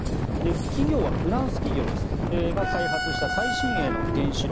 企業はフランス企業が開発した最新鋭の原子炉。